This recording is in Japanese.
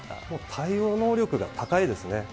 もう対応能力が高いですね。